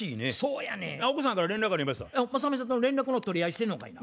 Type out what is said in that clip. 雅美さんと連絡の取り合いしてんのかいな。